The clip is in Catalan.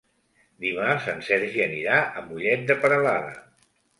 Dimarts en Sergi anirà a Mollet de Peralada.